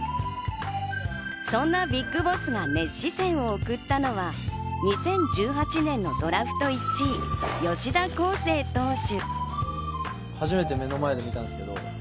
そんなＢＩＧＢＯＳＳが熱視線を送ったのは２０１８年のドラフト１位、吉田輝星投手。